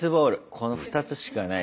この２つしかないっすよ